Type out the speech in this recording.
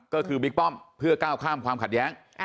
ก็คือบิ๊กป้อมเพื่อก้าวข้ามความขัดแย้ง